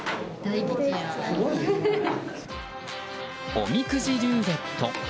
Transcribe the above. おみくじルーレット。